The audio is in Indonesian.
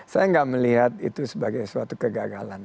saya nggak melihat itu sebagai suatu kegagalan